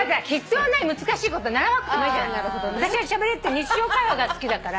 私がしゃべるって日常会話が好きだから。